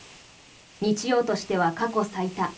日曜としては過去最多。